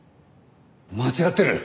間違ってる。